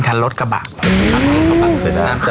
แล้วทำมาเป็นความตลอกของเรา